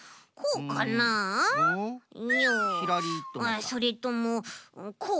あっそれともこう？